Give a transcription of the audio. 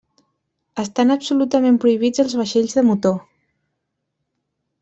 Estan absolutament prohibits els vaixells de motor.